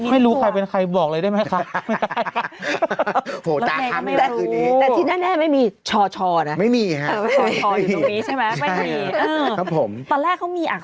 ไม่รู้ใครเป็นใครบอกเลยได้ไหมคะ